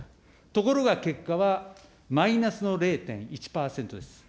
ところが結果は、マイナスの０．１％です。